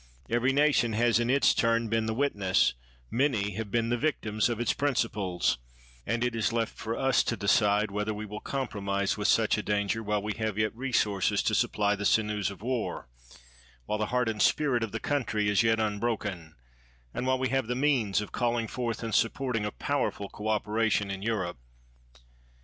Every nation has in its turn been the witness, many have been the victims of its principles ; and it is left for us to decide whether we will compromise with such a danger while we have yet resources to supply the sinews of war, while the heart and spirit of the country is yet unbroken, and while we have the means of calling forth and supporting a powerful co operation in Europe.